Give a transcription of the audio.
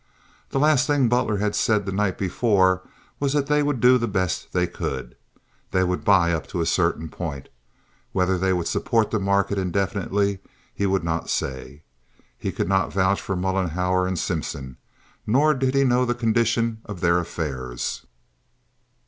The last thing Butler had said the night before was that they would do the best they could. They would buy up to a certain point. Whether they would support the market indefinitely he would not say. He could not vouch for Mollenhauer and Simpson. Nor did he know the condition of their affairs.